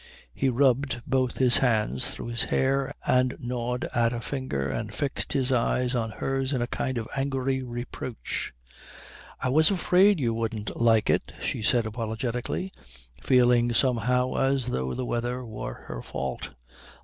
He rubbed both his hands through his hair and gnawed at a finger and fixed his eyes on hers in a kind of angry reproach. "I was afraid you wouldn't like it," she said apologetically, feeling somehow as though the weather were her fault.